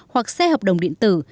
hoặc xe hợp đồng điện tử